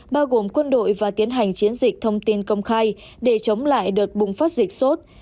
bao gồm quân đội và tiến hành chiến dịch thông tin công khai để chống lại đợt bùng phát dịch sốt